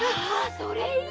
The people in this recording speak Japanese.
それいい！